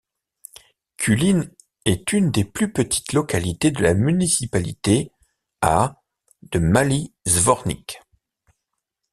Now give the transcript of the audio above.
Culine est une des plus petites localités de la municipalité à de Mali Zvornik.